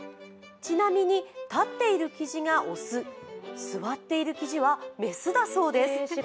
ちなみに立っているきじが雄座っているきじは雌だそうです。